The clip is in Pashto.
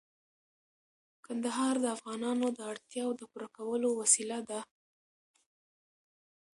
کندهار د افغانانو د اړتیاوو د پوره کولو وسیله ده.